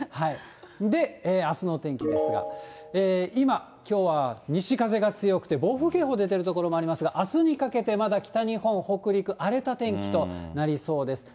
で、あすの天気ですが、今、きょうは西風が強くて、暴風警報出ている所もありますが、あすにかけて、まだ北日本、北陸、荒れた天気となりそうです。